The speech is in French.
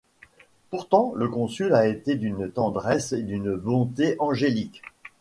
Pourtant, le Consul a été d'une tendresse et d'une bonté angéliques.